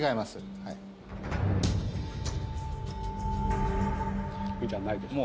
いいじゃないですか。